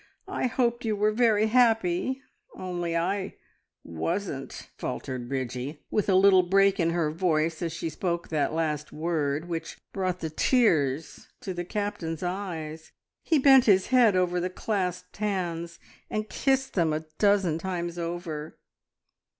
I hoped you were very happy, only I wasn't!" faltered Bridgie, with a little break in her voice as she spoke that last word, which brought the tears to the Captain's eyes. He bent his head over the clasped hands, and kissed them a dozen times over.